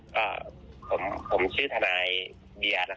ผมชื่อทานายเบียร์นะครับ